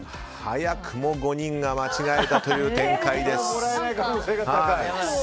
早くも５人が間違えたという展開です。